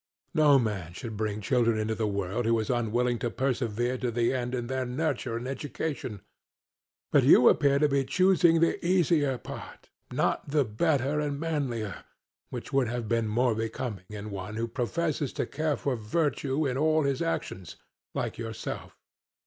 No man should bring children into the world who is unwilling to persevere to the end in their nurture and education. But you appear to be choosing the easier part, not the better and manlier, which would have been more becoming in one who professes to care for virtue in all his actions, like yourself.